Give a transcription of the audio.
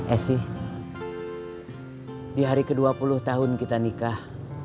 essi di hari ke dua puluh tahun kita nikah